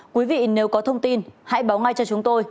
quý vị nếu có thông tin hãy báo ngay cho chúng tôi